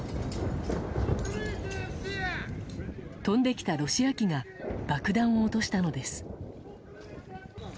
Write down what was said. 飛んできたロシア機が爆弾を落としたのです。